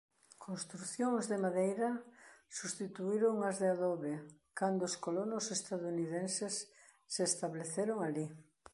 Construcións de madeira substituíron ás de adobe cando os colonos estadounidenses se estableceron alí.